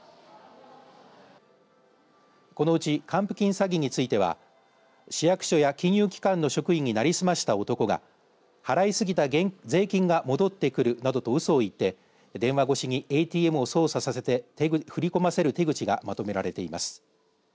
このうち還付金詐欺については市役所や金融機関の職員になりすました男が払いすぎた税金が戻ってくるなどと、うそを言って電話ごしにＡＴＭを操作させて振り込ませる手口がまとめられています。